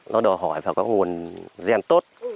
nó đòi hỏi phải có nguồn gen tốt